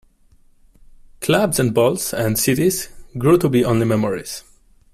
Clubs and balls and cities grew to be only memories.